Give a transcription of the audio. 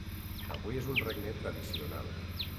Avui és un regne tradicional.